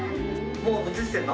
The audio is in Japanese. もう映してるの？